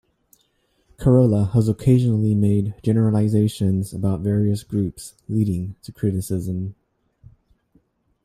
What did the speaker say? Carolla has occasionally made generalizations about various groups, leading to criticism.